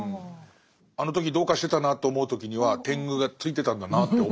あの時どうかしてたなと思う時には天狗がついてたんだなって思いたいみたいな。